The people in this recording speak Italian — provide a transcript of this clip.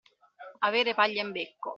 Avere paglia in becco.